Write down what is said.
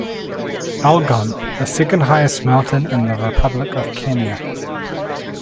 Elgon, the second highest mountain in the Republic of Kenya.